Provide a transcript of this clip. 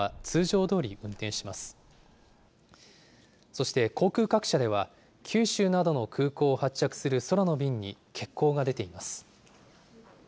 そして航空各社では、九州などの空港を発着する空の便に欠航が出ています。